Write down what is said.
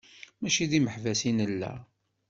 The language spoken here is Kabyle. Mačči d imeḥbas i nella.